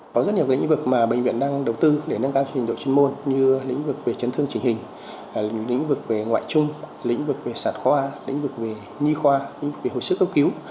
có rất nhiều lĩnh vực mà bệnh viện đang đầu tư để nâng cao trình độ chuyên môn như lĩnh vực về chấn thương trình hình lĩnh vực về ngoại trung lĩnh vực về sản khoa lĩnh vực về nhi khoa lĩnh về hồi sức cấp cứu